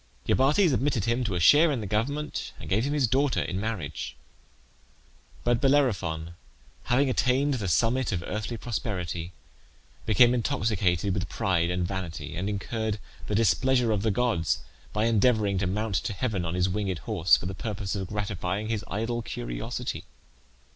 Iobates admitted him to a share in the government, and gave him his daughter in marriage. But Bellerophon having attained the summit of earthly prosperity became intoxicated with pride and vanity, and incurred the displeasure of the gods by endeavouring to mount to heaven on his winged horse, for the purpose of gratifying his idle curiosity.